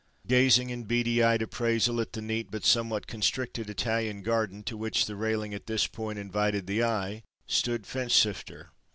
Gazing, in beady eyed appraisal at the neat but somewhat constricted Italian garden to which the railing at this point invited the eye—stood Finchsifter.